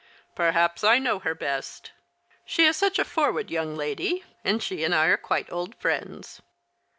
" Perhaps I know her best. She is such a forward young lady, and she and I are quite old friends."